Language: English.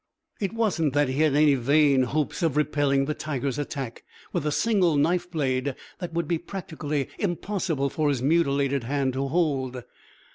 It wasn't that he had any vain hopes of repelling the tiger's attack with a single knife blade that would be practically impossible for his mutilated hand to hold.